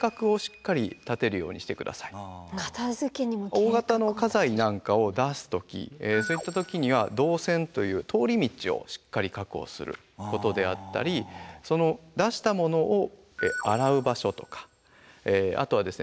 大型の家財なんかを出す時そういった時には導線という通り道をしっかり確保することであったり出したものを洗う場所とかあとはですね